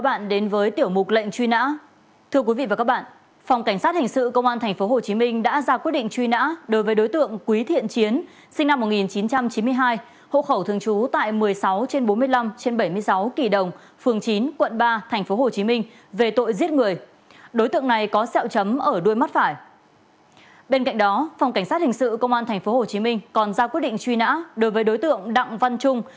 bên cạnh đó phòng cảnh sát hình sự công an tp hcm còn ra quyết định truy nã đối với đối tượng đặng văn trung